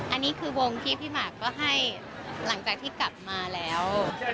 อันนี้คือวงที่พี่หมากก็ให้หลังจากที่กลับมาแล้ว